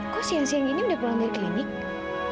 kok siang siang ini udah pulang dari klinik